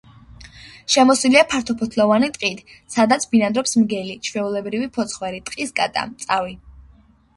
შემოსილია ფართოფოთლოვანი ტყით, სადაც ბინადრობს მგელი, ჩვეულებრივი ფოცხვერი, ტყის კატა, წავი.